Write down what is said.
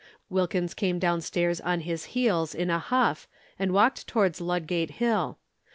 Wilkins came downstairs on his heels, in a huff, and walked towards Ludgate Hill.